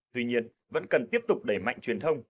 tuy nhiên vẫn cần tiếp tục đẩy mạnh truyền thông